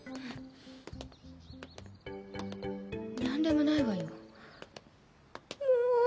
なんでもないわよ。